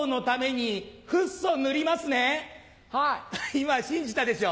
今信じたでしょ？